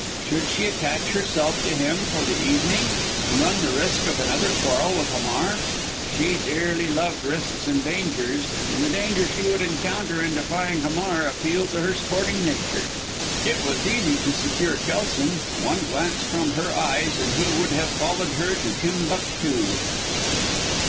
Should she attach herself to him for the evening and run the risk of another quarrel with Hamar? She dearly loved risks and dangers and the danger she would encounter in defying Hamar appealed to her sporting nature. It was easy to secure Kelson one glance from her eyes and he would have followed her to Timbuctoo.